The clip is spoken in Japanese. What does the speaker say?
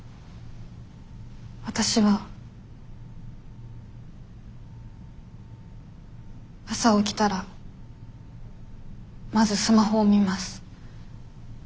わたしは朝起きたらまずスマホを見ます。